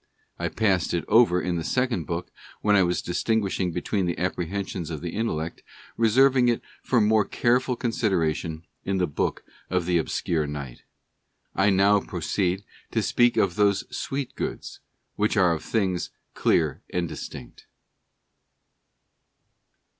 I passed it over in the second book, when I was distinguishing between the apprehensions of the intellect, reserving it for more careful consideration in the Book of the Obscure Night. I now proceed to speak of those Sweet Goods, which are of things clear and distinct.